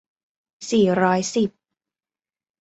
สี่ร้อยสิบ